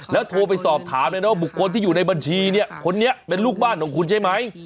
แล้วโทรไปสอบถามเลยนะว่าบุคคลที่อยู่ในบัญชีเนี่ยคนนี้เป็นลูกบ้านของคุณใช่ไหม